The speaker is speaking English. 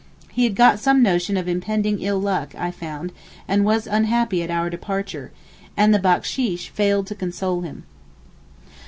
He had got some notion of impending ill luck, I found, and was unhappy at our departure—and the backsheesh failed to console him.